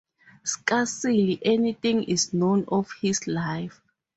Scarcely anything is known of his life.